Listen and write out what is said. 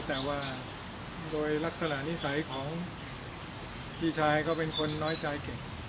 แต่ว่าโดยลักษณะนิสัยของพี่ชายเขาเป็นคนน้อยใจเก่ง